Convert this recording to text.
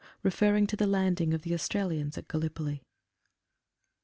(Referring to the landing of the Australians at Gallipoli.)